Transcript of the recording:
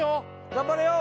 頑張れよ！